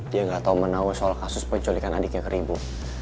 dia nggak tahu menahu soal kasus penculikan adiknya ke ibu